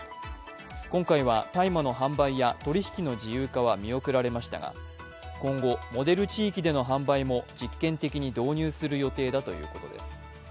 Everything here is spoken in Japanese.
今回は大麻の販売や取引の自由化は見送られましたが今後モデル地域での販売も実験的に導入する予定だということです。